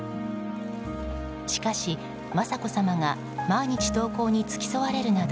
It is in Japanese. しかし、雅子さまが毎日登校に付き添われるなど